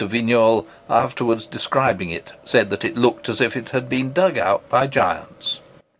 Vignolles, afterwards describing it, said it looked as if it had been dug out by giants.